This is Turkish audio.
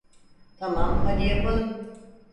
Tamam, hadi yapalım.